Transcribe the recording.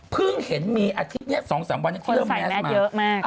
เพิ่งเห็นมีอาทิตย์นี้๒๓วันที่เริ่มแมสมา